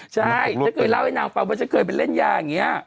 ใช่ฉันเคยเล่าให้นางฟังว่าฉันเคยไปเล่นยาอย่างนี้